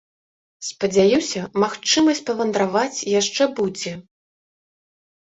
Спадзяюся, магчымасць павандраваць яшчэ будзе.